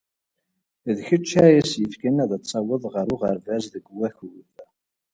D kecc ay yessefken ad d-tawḍed ɣer uɣerbaz deg wakud.